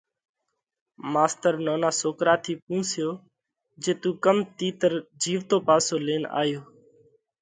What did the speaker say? ماستر نونا سوڪرا ٿِي پونسيو: جي تُون ڪم تِيتر جِيوَتو پاسو لينَ آيو؟